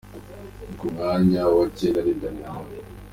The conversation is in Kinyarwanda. Ku mwanya wa cyenda ni Danny Nanone.